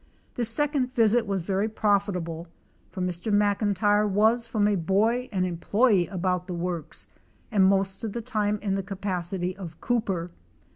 This second visit was very profitable, for Mr, Mclntyre was, from a boy, an employ 6 about the works, most of the time in the capacity of cooper.